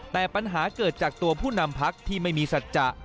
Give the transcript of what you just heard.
แต่ปัญหาเกิดจากตัวผู้นำพักที่ไม่มีสัจจะ